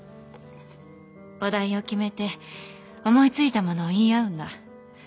お題を決めて思い付いたものを言い合うんだ